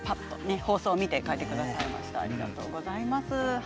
放送を見て描いてくださいました。